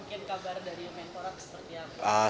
mungkin kabar dari menpora seperti apa